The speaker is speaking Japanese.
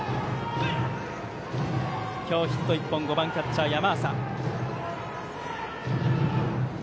今日ヒット１本５番キャッチャーの山浅。